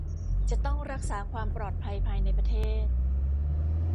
จะต้องรักษาความปลอดภัยภายในประเทศ